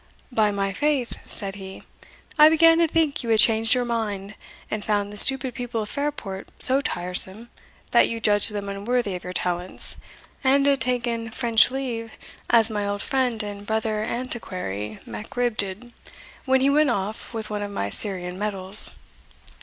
"By my faith," said he, "I began to think you had changed your mind, and found the stupid people of Fairport so tiresome, that you judged them unworthy of your talents, and had taken French leave, as my old friend and brother antiquary Mac Cribb did, when he went off with one of my Syrian medals."